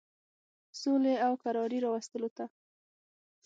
سولي او کراري راوستلو ته.